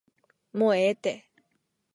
もうええて